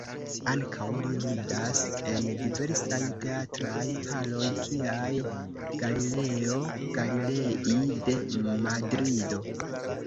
Ankaŭ li ludas en diversaj teatraj haloj kiaj Galileo Galilei de Madrido.